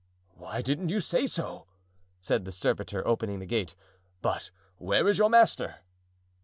"Why didn't you say so?" said the servitor, opening the gate. "But where is your master?"